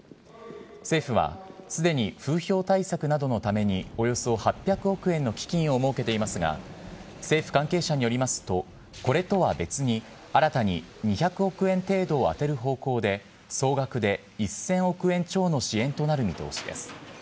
政府はすでに風評対策などのために、およそ８００億円の基金を設けていますが、政府関係者によりますと、これとは別に、新たに２００億円程度を充てる方向で総額で１０００億円超の支援となる見通しです。